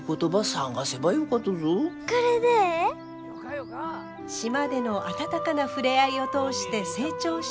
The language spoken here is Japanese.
島での温かな触れ合いを通して成長していく舞。